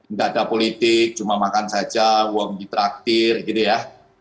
nggak ada politik cuma makan saja uang ditraktir gitu ya